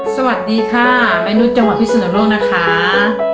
สวัสดีค่ะแม่นุษย์จังหวัดพิศนุโลกนะคะ